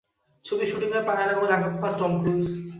ছবির শুটিংয়ে পায়ের আঙুলে আঘাত পান টম ক্রুজ।